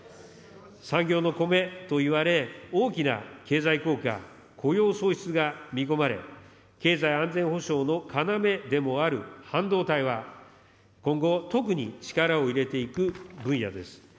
産業のコメといわれ、大きな経済効果、雇用創出が見込まれ、経済安全保障の要でもある半導体は、今後、特に力を入れていく分野です。